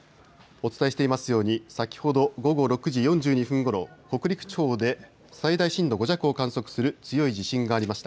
お伝えしていますように先ほど午後６時４２分ごろ北陸地方で最大震度５弱を観測する強い地震がありました。